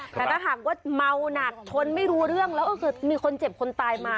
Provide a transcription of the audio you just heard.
แต่ถ้าหากว่าเมาหนักทนไม่รู้เรื่องแล้วก็คือมีคนเจ็บคนตายมา